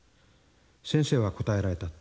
先生は答えられた。